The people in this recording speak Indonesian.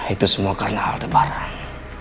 itu semua karena aldebaran